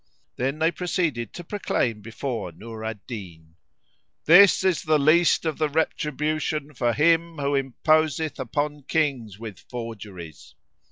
'" Then they proceeded to proclaim before Nur al Din, "This is the least of the retribution for him who imposeth upon Kings with forgeries."